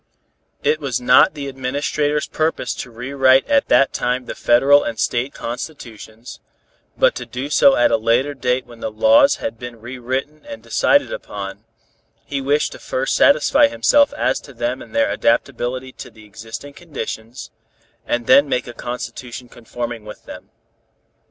It was not the Administrator's purpose to rewrite at that time the Federal and State Constitutions, but to do so at a later date when the laws had been rewritten and decided upon; he wished to first satisfy himself as to them and their adaptability to the existing conditions, and then make a constitution conforming with them.